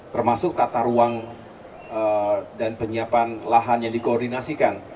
termasuk tata ruang dan penyiapan lahan yang dikoordinasikan